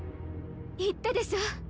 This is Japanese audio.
言ったでしょ？